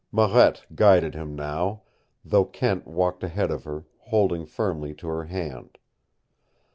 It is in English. Marette guided him now, though Kent walked ahead of her, holding firmly to her hand.